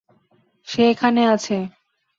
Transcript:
সে এখানে আছে।